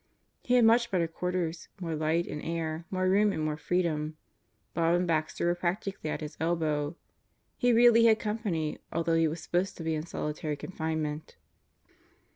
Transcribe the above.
He had much better quarters more light and air; more room and more freedom. Bob and Baxter were practically at his elbow. He really had company although he was supposed to be in solitary confinement.